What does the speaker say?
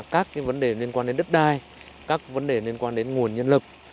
các vấn đề liên quan đến đất đai các vấn đề liên quan đến nguồn nhân lực